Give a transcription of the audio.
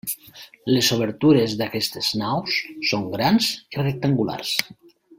Les obertures d'aquestes naus són grans i rectangulars.